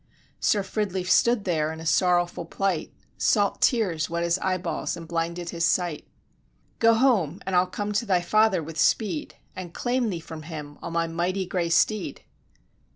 Sir Fridleif stood there in a sorrowful plight, Salt tears wet his eyeballs, and blinded his sight. "Go home, and I'll come to thy father with speed, And claim thee from him, on my mighty grey steed."